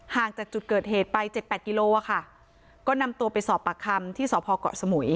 ห่างจากจุดเกิดเหตุไป๗๘กิโลกรัมค่ะก็นำตัวไปสอบปากคำที่สพเกาะสมุย